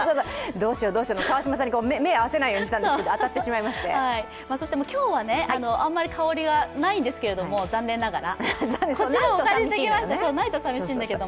どうしよう、どうしようと、川島さんと目を合わせないようにしていたんですけど、そして今日はあんまり香りがないんですけど残念ながら。